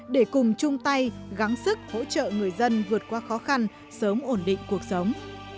để cùng chung tay gắn sức hỗ trợ người dân vượt qua khó khăn sớm ổn định cuộc sống